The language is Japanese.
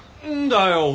何だよ！